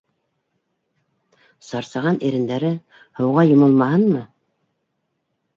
Сарсаған ирендәре һыуға йомолмаһынмы?